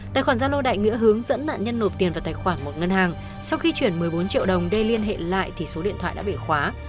tài khoản gia lô đại nghĩa hướng dẫn nạn nhân nộp tiền vào tài khoản một ngân hàng sau khi chuyển một mươi bốn triệu đồng đây liên hệ lại thì số điện thoại đã bị khóa